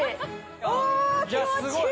お気持ちいい！